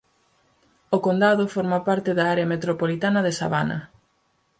O condado forma parte da área metropolitana de Savannah.